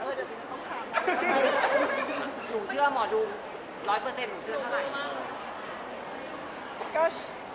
หนูเชื่อหมอดู๑๐๐หนูเชื่อเท่าไหร่